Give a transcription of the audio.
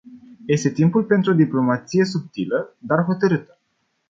Este timpul pentru o diplomație subtilă, dar hotărâtă.